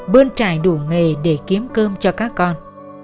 bơn trải đủ nghề để kiếm cơm cho các con